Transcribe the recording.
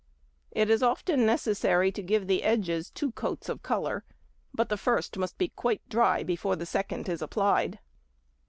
It is often necessary to give the edges two coats of colour, but the first must be quite dry before the second is applied.